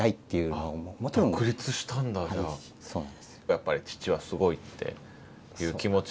やっぱり父はすごいっていう気持ちにね。